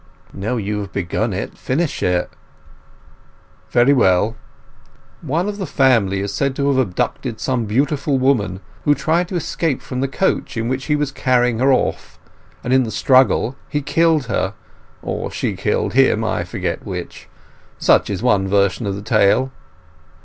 "Now you have begun it, finish it." "Very well. One of the family is said to have abducted some beautiful woman, who tried to escape from the coach in which he was carrying her off, and in the struggle he killed her—or she killed him—I forget which. Such is one version of the tale...